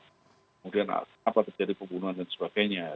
kemudian kenapa terjadi pembunuhan dan sebagainya